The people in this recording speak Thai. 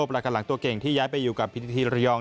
ประกันหลังตัวเก่งที่ย้ายไปอยู่กับพิธีระยอง